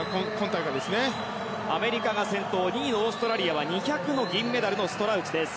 アメリカが先頭２位のオーストラリアは２００の銀メダルのストラウチです。